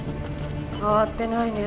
変わってないね。